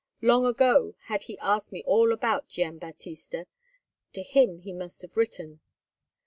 Long ago had he asked me all about Gian Battista. To him he must have written."